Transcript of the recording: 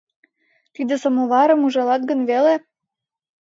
Тиде самоварым ужалат гын веле?